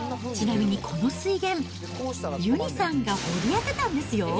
ちなみに、この水源、ゆにさんが掘り当てたんですよ。